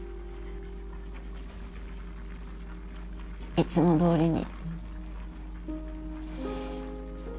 いつもどおりに。